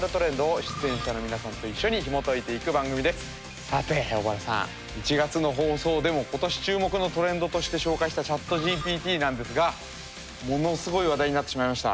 この番組はさて尾原さん１月の放送でも今年注目のトレンドとして紹介したＣｈａｔＧＰＴなんですがものすごい話題になってしまいました。